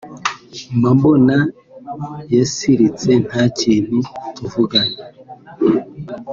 mba mbona yasiritse nta kintu tuvugana